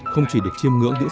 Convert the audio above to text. không chỉ được chiêm ngưỡng những